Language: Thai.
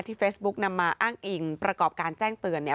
เฟซบุ๊กนำมาอ้างอิงประกอบการแจ้งเตือนเนี่ย